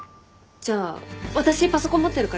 じゃあ私パソコン持ってるから一緒にやろう。